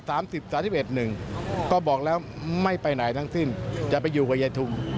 ได้พักวันที่๒๙๓๐๓๑๑ก็บอกแล้วไม่ไปไหนทั้งสิ้นจะไปอยู่กับแย่ทุ่ม